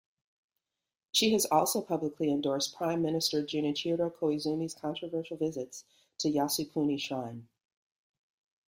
She has also publicly endorsed prime-minister Junichiro Koizumi's controversial visits to Yasukuni Shrine.